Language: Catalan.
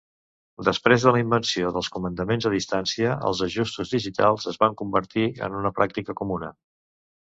Després de la invenció dels comandaments a distància, els ajustos digitals es van convertir en una pràctica comuna.